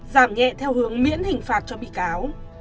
giảm nhẹ theo hướng miễn hình phạt cho bị cáo